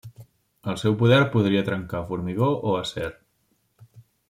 El seu poder podria trencar formigó o acer.